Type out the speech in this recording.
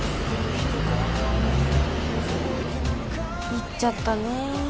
いっちゃったね。